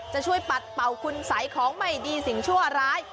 จะช่วยปัดเป่าคุณสัยของไม่ดีสิ่งชั่วร้าย